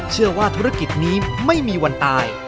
เชื่อว่าธุรกิจนี้ไม่มีวันตาย